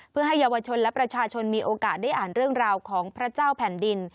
เพื่อให้เยาวชนและประชาชนมีโอกาสได้อ่านเรื่องราวของพระเจ้าแผ่นดิน